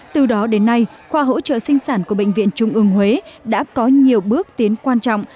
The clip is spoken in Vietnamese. từ đó đến nay khoa hỗ trợ sinh sản của bệnh viện trung ương huế đã có nhiều bước tiến quan trọng